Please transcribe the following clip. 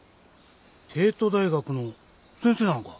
帝都大学の先生なのか。